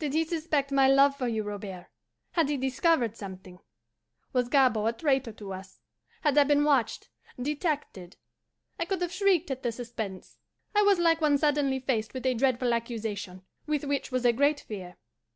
Did he suspect my love for you, Robert? Had he discovered something? Was Gabord a traitor to us? Had I been watched, detected? I could have shrieked at the suspense. I was like one suddenly faced with a dreadful accusation, with which was a great fear.